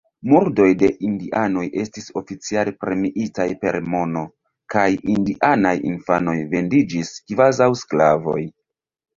Murdoj de indianoj estis oficiale premiitaj per mono, kaj indianaj infanoj vendiĝis kvazaŭ sklavoj.